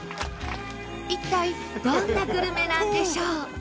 一体どんなグルメなんでしょう？